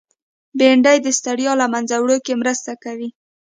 بېنډۍ د ستړیا له منځه وړو کې مرسته کوي